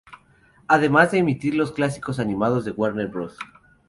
Además de emitir los clásicos animados de Warner Bros.